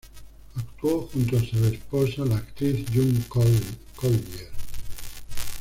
Actuó junto a su esposa, la actriz June Collyer.